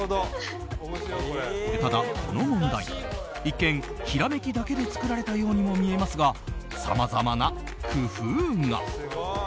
ただ、この問題一見ひらめきだけで作られたようにも見えますが、さまざまな工夫が。